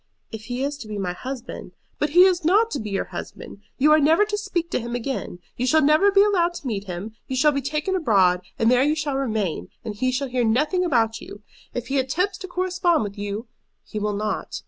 "If he is to be my husband " "But he is not to be your husband. You are never to speak to him again. You shall never be allowed to meet him; you shall be taken abroad, and there you shall remain, and he shall hear nothing about you. If he attempts to correspond with you " "He will not."